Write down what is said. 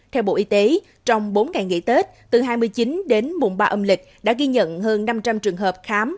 theo bộ y tế trong bốn ngày nghỉ tết từ hai mươi chín đến mùng ba âm lịch đã ghi nhận hơn năm trăm linh trường hợp khám